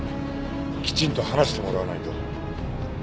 きちんと話してもらわないと。